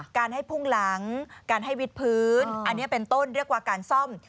การให้พุ่งหลังการให้วิดพื้นอันนี้เป็นต้นเรียกว่าการซ่อม